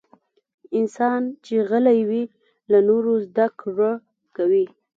انسان چې غلی وي، له نورو زدکړه کوي.